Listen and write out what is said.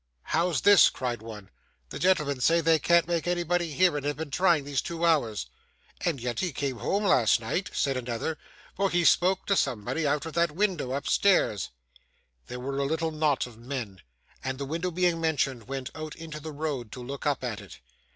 'How's this?' cried one. 'The gentleman say they can't make anybody hear, and have been trying these two hours.' 'And yet he came home last night,' said another; 'for he spoke to somebody out of that window upstairs.' They were a little knot of men, and, the window being mentioned, went out into the road to look up at it.